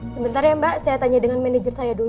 sebentar ya mbak saya tanya dengan manajer saya dulu